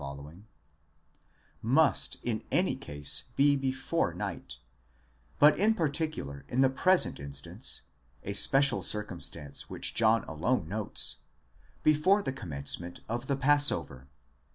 4®) must in any case be before night; but in particular in the present instance (a special circumstance which John alone notes), before the commencement of the passover.